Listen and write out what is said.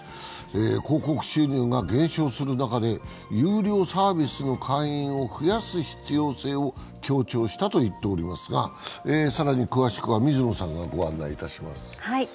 広告収入が減少する中で有料サービスの会員を増やす必要性を強調したと言っておりますが、更に詳しくは水野さんがご案内します。